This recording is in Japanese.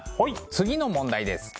次の問題です。